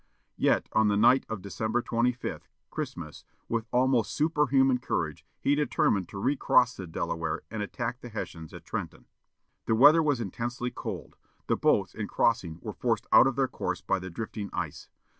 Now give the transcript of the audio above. Yet, on the night of December 25, Christmas, with almost superhuman courage, he determined to recross the Delaware, and attack the Hessians at Trenton. The weather was intensely cold. The boats, in crossing, were forced out of their course by the drifting ice.